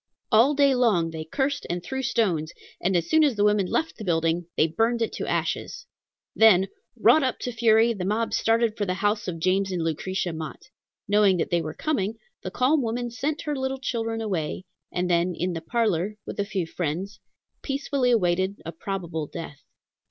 All day long they cursed and threw stones, and as soon as the women left the building, they burned it to ashes. Then, wrought up to fury, the mob started for the house of James and Lucretia Mott. Knowing that they were coming, the calm woman sent her little children away, and then in the parlor, with a few friends, peacefully awaited a probable death.